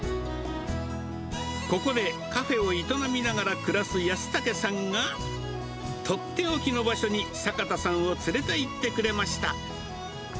ここでカフェを営みながら暮らす安武さんが、取って置きの場所に坂田さんを連れて行ってくれました。